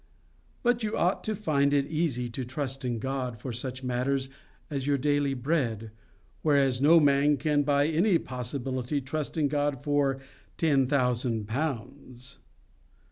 But you ought to find it easy to trust in God for such a matter as your daily bread, whereas no man can by any possibility trust in God for ten thousand pounds.